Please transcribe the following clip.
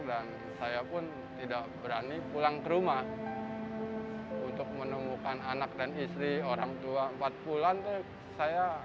dan saya pun tidak berani pulang ke rumah untuk menemukan anak dan istri orang tua empat bulan tuh saya